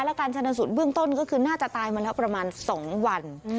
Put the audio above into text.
และการชนสูตรเบื้องต้นก็คือน่าจะตายมาแล้วประมาณ๒วัน